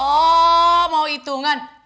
oh mau hitungan